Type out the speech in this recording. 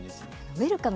「ウェルカム！